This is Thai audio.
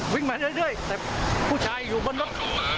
วิ่งมาเรื่อยแต่ผู้ชายอยู่บนรถ